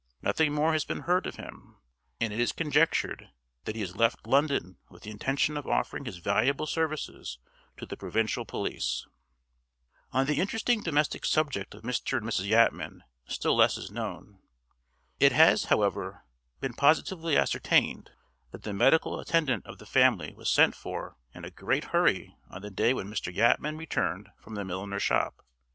Nothing more has been heard of him; and it is conjectured that he has left London with the intention of offering his valuable services to the provincial police. On the interesting domestic subject of Mr. and Mrs. Yatman still less is known. It has, however, been positively ascertained that the medical attendant of the family was sent for in a great hurry on the day when Mr. Yatman returned from the milliner's shop.